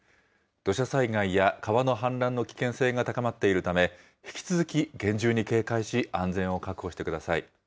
土砂災害や川の氾濫の危険性が高まっているため、引き続き厳重に警戒し、安全を確保してください。